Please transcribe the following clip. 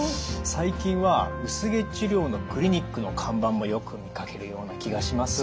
最近は薄毛治療のクリニックの看板もよく見かけるような気がします。